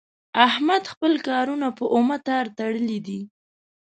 احمد خپل کارونه په اومه تار تړلي دي.